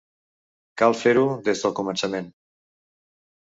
Cal fer-ho des del començament.